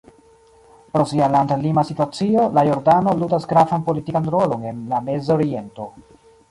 Pro sia landlima situacio, la Jordano ludas gravan politikan rolon en la Mezoriento.